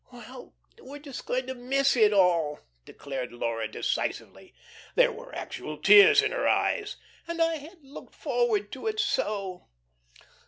"Well, we're just going to miss it all," declared Laura decisively. There were actual tears in her eyes. "And I had looked forward to it so."